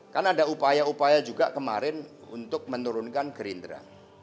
kan ada upaya upaya juga kemarin untuk menurunkan gerindra